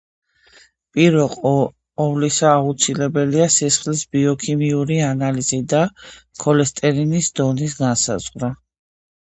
პირველ ყოვლისა, აუცილებელია სისხლის ბიოქიმიური ანალიზი და ქოლესტერინის დონის განსაზღვრა.